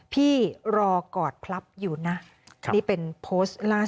พี่รอกอดพลับอยู่นะ